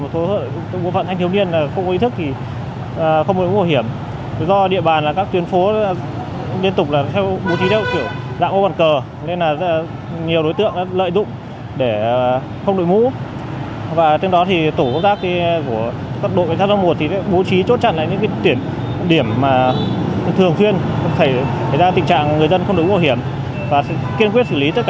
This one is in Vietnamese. thường xuyên phải ra tình trạng người dân không đối mũ bảo hiểm và kiên quyết xử lý tất cả trường hợp đấy